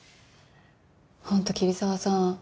本当桐沢さん